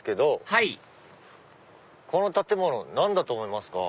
はいこの建物何だと思いますか？